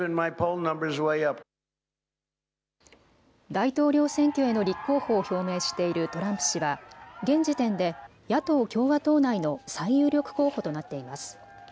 大統領選挙への立候補を表明しているトランプ氏は現時点で野党・共和党内の最有力候補となっています。